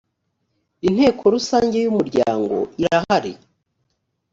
inteko rusange y ‘umuryango irahari.